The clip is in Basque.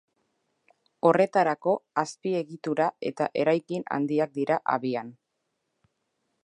Horretarako azpiegitura eta eraikin handiak dira abian.